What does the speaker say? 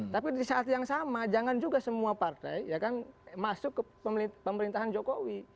tapi di saat yang sama jangan juga semua partai masuk ke pemerintahan jokowi